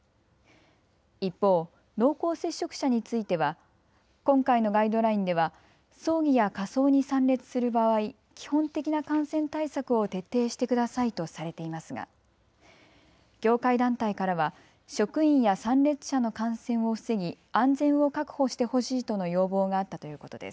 一方、濃厚接触者については今回のガイドラインでは葬儀や火葬に参列する場合、基本的な感染対策を徹底してくださいとされていますが業界団体からは職員や参列者の感染を防ぎ安全を確保してほしいとの要望があったということです。